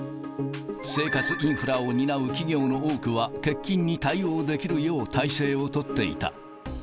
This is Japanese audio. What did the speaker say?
生活インフラを担う企業の多くは、欠勤に対応できるよう体制を取っていた。